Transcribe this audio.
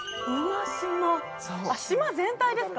島全体ですか？